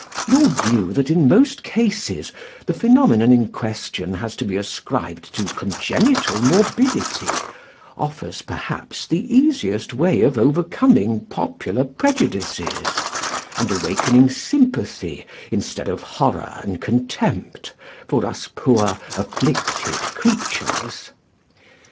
"Your view that, in most cases, the phenomenon in question has to be ascribed to congenital morbidity, offers perhaps the easiest way of overcoming popular prejudices, and awakening sympathy instead of horror and contempt for us poor 'afflicted' creatures.